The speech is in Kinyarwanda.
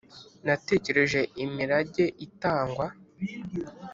Natekereje imirage itangwa